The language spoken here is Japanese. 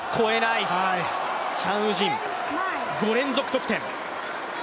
チャン・ウジン、５連続得点。